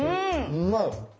うまい！